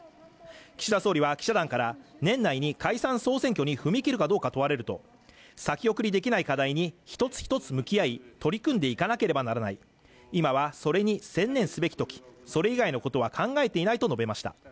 岸田総理は記者団から年内に解散・総選挙に踏み切るかどうか問われると先送りできない課題に一つ一つ向き合い取り組んでいかなければならない今はそれに専念すべきときそれ以外のことは考えていないと述べました